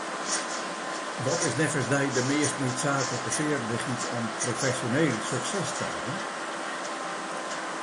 Wat is neffens dy de meast needsaaklike feardichheid om profesjoneel sukses te hawwen?